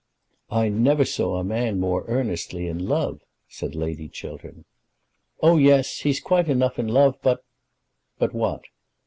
"I never saw a man more earnestly in love," said Lady Chiltern. "Oh yes, he's quite enough in love. But " "But what?"